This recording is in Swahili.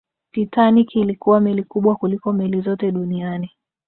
titanic ilikuwa meli kubwa kuliko meli zote duniani